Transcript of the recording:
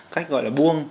cách gọi là buông